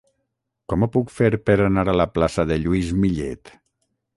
Com ho puc fer per anar a la plaça de Lluís Millet?